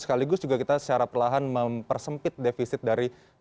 sekaligus juga kita secara perlahan mempersempit defisit dari